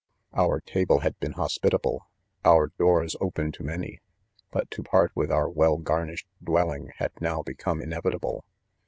" Our table had been hospitable, our doors open to many; but to part with our well garnish ed dwellings had now become inevitable.